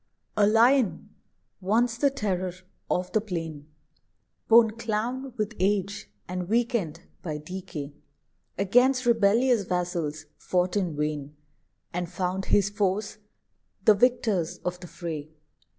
A Lion, once the terror of the plain (Borne clown with age, and weakened by decay) Against rebellious vassals fought in vain, And found his foes the victors of the fray.